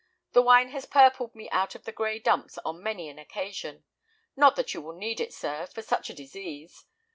The wine has purpled me out of the gray dumps on many an occasion. Not that you will need it, sir, for such a disease.